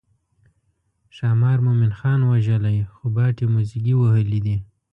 ښامار مومن خان وژلی خو باټې موزیګي وهلي دي.